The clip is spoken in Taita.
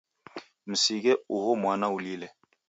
Msighe uho mwana ulile.